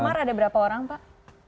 kamar ada berapa orang pak